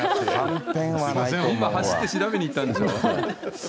今、走って調べに行ったんでしょ。